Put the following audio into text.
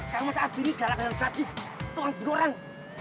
karena saat ini galak galak sabji tolong diorang